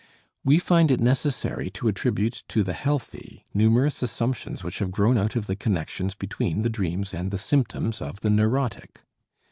We find it necessary to attribute to the healthy numerous assumptions which have grown out of the connections between the dreams and the symptoms of the neurotic.